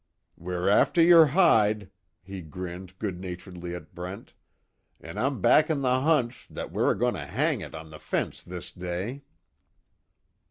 "We're after yer hide," he grinned good naturedly at Brent, "an' I'm backin' the hunch that we're a goin' to hang it on the fence this day."